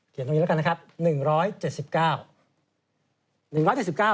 ตรงนี้แล้วกันนะครับ๑๗๙